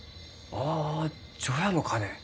ああ除夜の鐘。